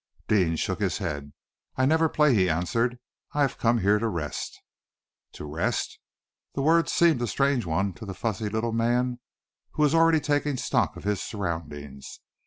Deane shook his head. "I never play," he answered. "I have come here to rest." To rest! The word seemed a strange one to the fussy little man, who was already taking stock of his surroundings.